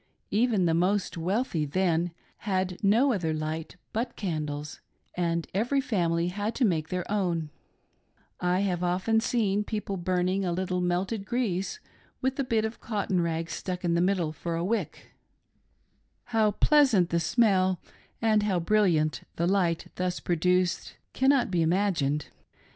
Even the most wealthy, then, had no other light but candles, and every family had to make their own : I have often seen people burning a little melted grease with a bit of cotton rag stuck in the middle for a wick — how pleasant the smell, and how brilliant the light thus produced can be imagined.